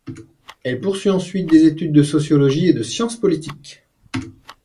Elle poursuit ensuite des études de sociologie et de science politique.